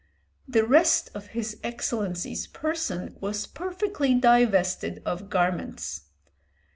"The rest of his Excellency's person was perfectly divested of garments.